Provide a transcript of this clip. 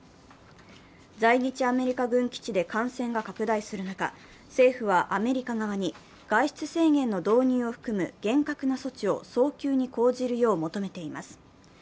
在日アメリカ軍基地で感染が拡大する中、政府はアメリカ側に、外出制限の導入を含む厳格な措置を早急に講じるよう求めています。